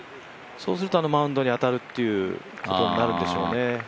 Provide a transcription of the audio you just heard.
そうするとあのマウンドに当たるということになるんでしょうね。